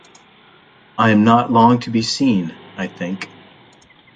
I am not long to be seen, I think.